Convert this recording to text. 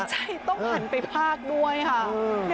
ใช่ต้องหันไปพากด้วยค่ะ